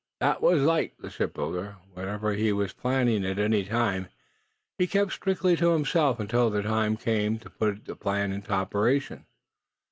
That was like the shipbuilder. Whatever he was planning, at any time, he kept strictly to himself until the time came to put the plan into operation.